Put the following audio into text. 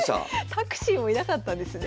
タクシーもいなかったんですね。